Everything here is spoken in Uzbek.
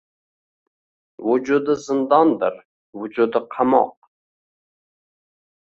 Vujudi zindondir, vujudi – qamoq.